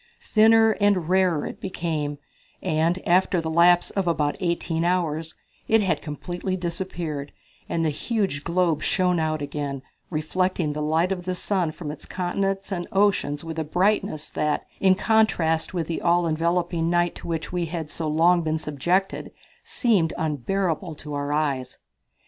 Thinner and rarer it became, and, after the lapse of about eighteen hours, it had completely disappeared, and the huge globe shone out again, reflecting the light of the sun from its continents and oceans with a brightness that, in contrast with the all enveloping night to which we had so long been subjected, seemed unbearable to our eyes.